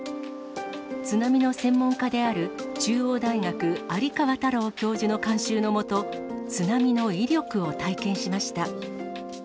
津波の専門家である中央大学、有川太郎教授の監修のもと、津波の威力を体験しました。